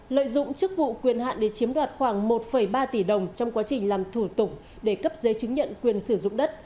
lợi dụng chức vụ quyền hạn để chiếm đoạt khoảng một ba tỷ đồng trong quá trình làm thủ tục để cấp giấy chứng nhận quyền sử dụng đất